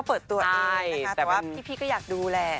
เปิดล้มกุบปื้นปองเอิ้น